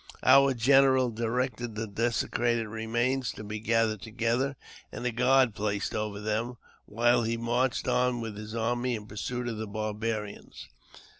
Our general directed the desecrated remains to be gathered together, and a guard to be placed over them, while he marched on with his army in pursuit of the barbarians.